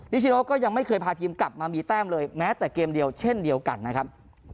ชโนก็ยังไม่เคยพาทีมกลับมามีแต้มเลยแม้แต่เกมเดียวเช่นเดียวกันนะครับ